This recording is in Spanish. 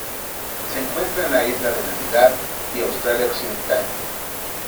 Se encuentra en la Isla de Navidad y Australia Occidental.